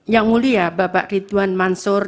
yang mulia bapak ridwan mansur